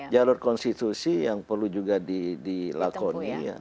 jalur konstitusi yang perlu juga dilakoni